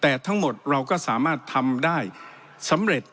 แต่ทั้งหมดเราก็สามารถทำได้สำเร็จ